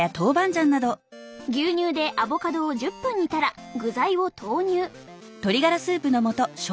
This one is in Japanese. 牛乳でアボカドを１０分煮たら具材を投入。